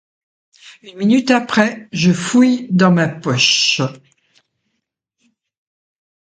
Une minute après, je fouille dans ma poche.